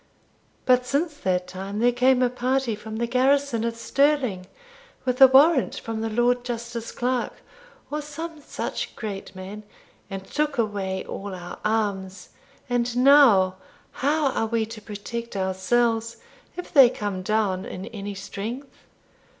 But since that time there came a party from the garrison at Stirling, with a warrant from the Lord Justice Clerk, or some such great man, and took away all our arms; and now, how are we to protect ourselves if they come down in any strength?'